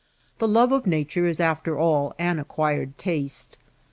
The love of Nature is after all an acquired taste.